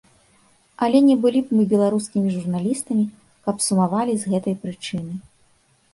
Але не былі б мы беларускімі журналістамі, каб сумавалі з гэтай прычыны.